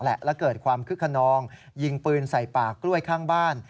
และเกิดความคึกขนองยิงปืนใส่ป่ากล้วยข้างบ้าน